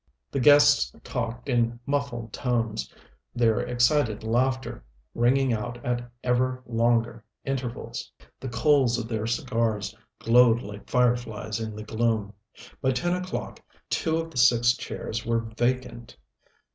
The guests talked in muffled tones, their excited laughter ringing out at ever longer intervals. The coals of their cigars glowed like fireflies in the gloom. By ten o'clock two of the six chairs were vacant.